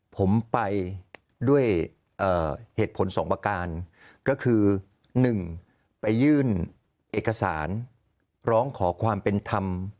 ผมไปด้วยเหตุผล๒ประการก็คือ๑ไปยื่นเอกสารร้องขอความเป็นธรรม